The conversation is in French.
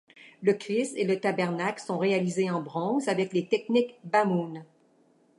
Le Christ et le tabernacle sont réalisés en bronze avec les techniques Bamoun.